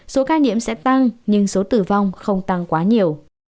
số ca nhiễm sẽ tăng nhưng số tử vong không tăng quá nhiều